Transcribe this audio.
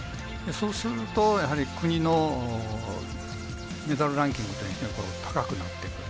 そうすると、やはり国のメダルランキングというのが高くなっていく。